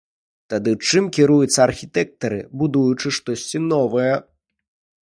Тады чым кіруюцца архітэктары, будуючы штосьці новае?